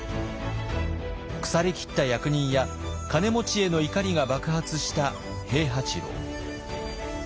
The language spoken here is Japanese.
腐れきった役人や金持ちへの怒りが爆発した平八郎。